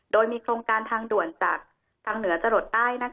โดยมีโครงการทางด่วนจากทางเหนือจรดใต้